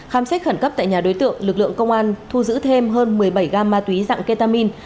khám xét khẩn cấp tại nhà đối tượng lực lượng công an thu giữ thêm hơn một mươi bảy gam ma túy dạng ketamin